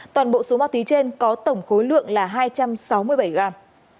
toàn bộ số ma túy trên có tổng khối lượng là hai trăm sáu mươi bảy gram